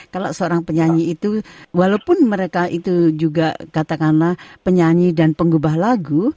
kalau seorang penyanyi itu walaupun mereka itu juga katakanlah penyanyi dan pengubah lagu